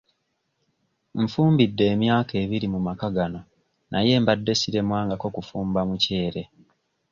Nfumbidde emyaka ebiri mu maka gano naye mbadde siremwangako kufumba muceere.